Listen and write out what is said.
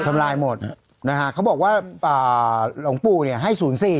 ทำลายหมดนะฮะเขาบอกว่าหลวงปู่เนี่ยให้๐๔